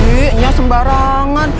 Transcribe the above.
ih nya sembarangan